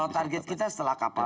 target kita setelah kkp lagi